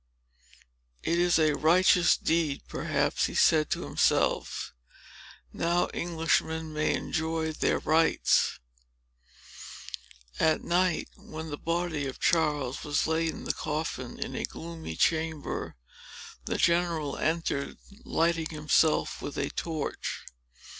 "It is a righteous deed," perhaps he said to himself. "Now Englishmen may enjoy their rights." At night, when the body of Charles was laid in the coffin, in a gloomy chamber, the general entered, lighting himself with a torch.